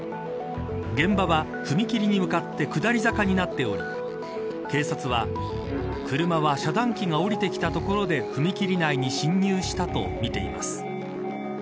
現場は踏切に向かって下り坂になっており警察は、車は遮断機が下りてきたところで踏切内に進入したとみています。